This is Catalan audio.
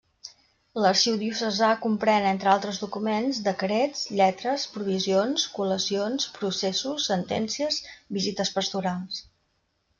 L'arxiu diocesà comprèn, entre altres documents, decrets, lletres, provisions, col·lacions, processos, sentències, visites pastorals.